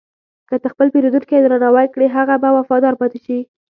که ته خپل پیرودونکی درناوی کړې، هغه به وفادار پاتې شي.